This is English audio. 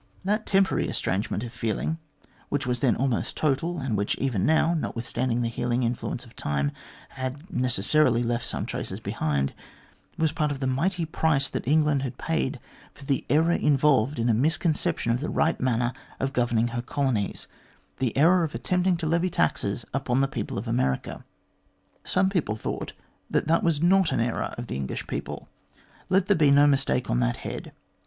That temporary estrangement of feeling, which was then almost total, and which even now, notwith standing the healing influence of time, had necessarily left some traces behind, was a part of the mighty price that England had paid for the error involved in a misconception of the right manner of governing her colonies, the error of attempting to levy taxes upon the people of America. Some people thought that that was not an error of the English people. Let there be no mistake on that head.